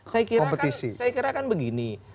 saya kira kan begini